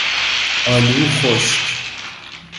آلو خشک